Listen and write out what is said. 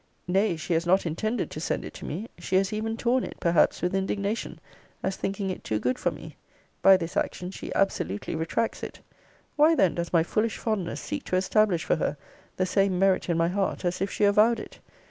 Nay, she has not intended to send it to me: she has even torn it, perhaps with indignation, as thinking it too good for me. By this action she absolutely retracts it. Why then does my foolish fondness seek to establish for her the same merit in my heart, as if she avowed it?